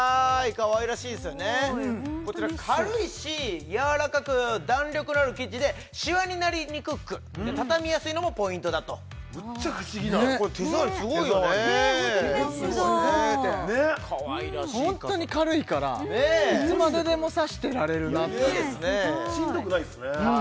かわいらしいですよねこちら軽いしやわらかく弾力のある生地でシワになりにくくたたみやすいのもポイントだとむっちゃ不思議な手触りこれ手触りすごいよねかわいらしい傘ホントに軽いからいつまででも差してられるないいですねしんどくないっすね